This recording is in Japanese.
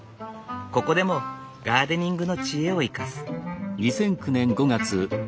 ここでもガーデニングの知恵を生かす。